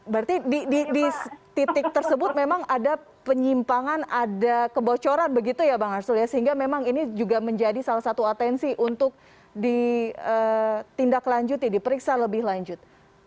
berarti di titik tersebut memang ada penyimpangan ada kebocoran begitu ya bang arsul ya sehingga memang ini juga menjadi salah satu atensi untuk ditindaklanjuti diperiksa lebih lanjut